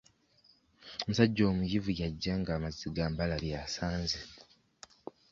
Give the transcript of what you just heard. Omusajja omuyivu yajja ng'amaze gambala by'asanze.